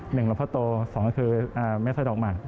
หนึ่งหลงพ่อโตสองคือแม่สร้อยดอกหมาก